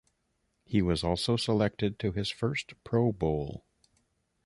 He was also selected to his first Pro Bowl.